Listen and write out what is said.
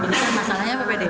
ini masalahnya ppdb